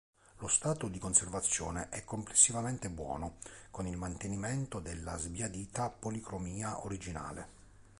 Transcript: Lo stato di conservazione è complessivamente buono, con il mantenimento della sbiadita policromia originale.